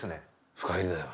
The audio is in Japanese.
深煎りだよ。